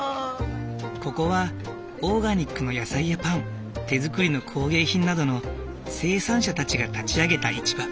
ここはオーガニックの野菜やパン手作りの工芸品などの生産者たちが立ち上げた市場。